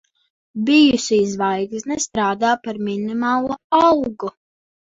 Bijusī zvaigzne strādā par minimālo algu.